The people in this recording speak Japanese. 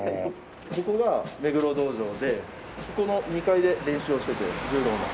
ここが目黒道場でこの２階で練習をしてて柔道の。